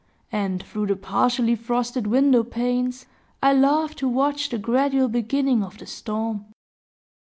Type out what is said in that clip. and, through the partially frosted window panes, I love to watch the gradual beginning of the storm.